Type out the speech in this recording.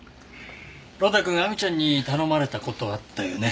呂太くん亜美ちゃんに頼まれた事あったよね？